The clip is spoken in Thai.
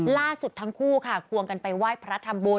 ล่าสุดทั้งคู่ค่ะควงกันไปไหว้พระทำบุญ